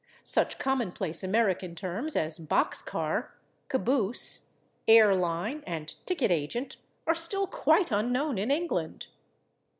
Such commonplace American terms as /box car/, /caboose/, /air line/ and /ticket agent/ are still quite unknown in England.